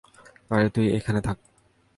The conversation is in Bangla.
আরে তুই এখানে থাক।